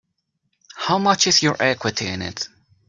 How much is your equity in it?